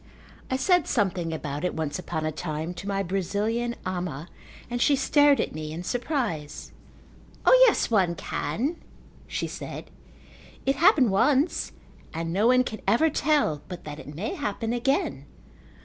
I said something about it once upon a time to my Brazilian ama and she stared at me in surprise. "O, yes, one can," she said. "It happened once and no one can ever tell but that it may happen again.